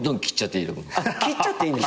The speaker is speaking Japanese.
切っちゃっていい。